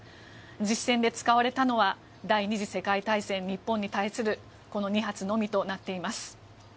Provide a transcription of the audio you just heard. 実戦で使われたのは第２次世界大戦、日本に対するこの２発のみとなっています。